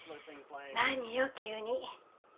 何よ急に。